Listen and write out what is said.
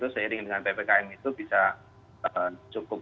seiring dengan ppkm itu bisa cukup